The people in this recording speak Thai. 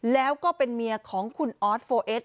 แล้วก็เป็นเมียของคุณออสโฟเอส